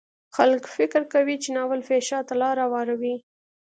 خلک فکر کوي چې ناول فحشا ته لار هواروي.